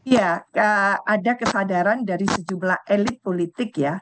ya ada kesadaran dari sejumlah elit politik ya